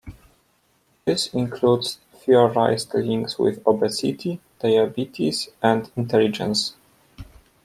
This includes theorised links with obesity, diabetes and intelligence.